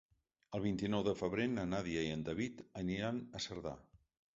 El vint-i-nou de febrer na Nàdia i en David aniran a Cerdà.